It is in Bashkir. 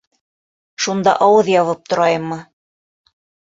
Шунда ауыҙ ябып торайыммы?